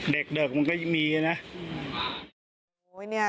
เด็กเด็กมันก็ใช่ไหม